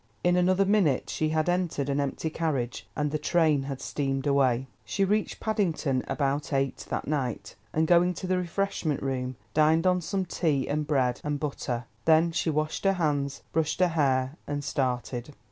In another minute she had entered an empty carriage, and the train had steamed away. She reached Paddington about eight that night, and going to the refreshment room, dined on some tea and bread and butter. Then she washed her hands, brushed her hair, and started.